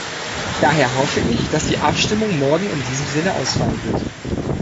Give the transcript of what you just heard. Daher hoffe ich, dass die Abstimmung morgen in diesem Sinne ausfallen wird.